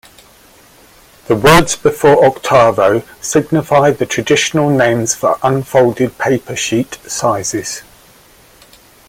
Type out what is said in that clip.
The words before octavo signify the traditional names for unfolded paper sheet sizes.